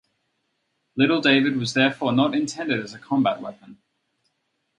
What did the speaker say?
Little David was therefore not intended as a combat weapon.